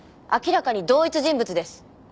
明らかに同一人物です。